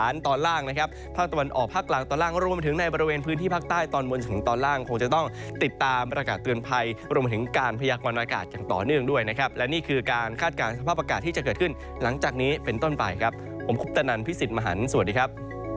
อย่างต่อเนื่องด้วยนะครับและนี่คือการคาดการณ์สภาพประกาศที่จะเกิดขึ้นหลังจากนี้เป็นต้นป่ายครับผมคุกตะนันพิศิษฐ์มหันต์สวัสดีครับ